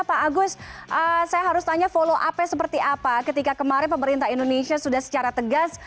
pak agus saya harus tanya follow up nya seperti apa ketika kemarin pemerintah indonesia sudah secara tegas